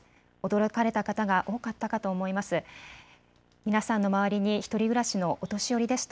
驚かれた方が多かったかと思います。